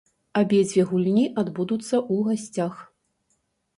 Абедзве гульні адбудуцца ў гасцях.